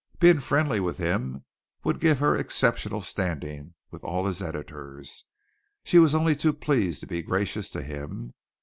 Being friendly with him would give her exceptional standing with all his editors. She was only too pleased to be gracious to him.